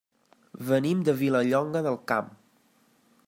Venim de Vilallonga del Camp.